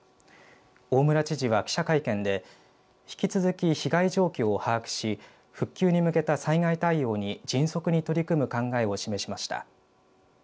大村知事は記者会見で引き続き被害状況を把握し復旧に向けた災害対応に迅速に取り組む考えを示しました。